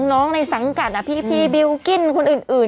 ในสังกัดพี่บิลกิ้นคนอื่น